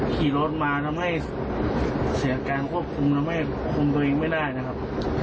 ขี่รถมาทำให้เสียการควบคุมทำให้คุมตัวเองไม่ได้นะครับ